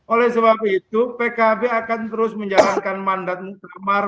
oleh sebab itu pkb akan terus menjalankan mandat muktamar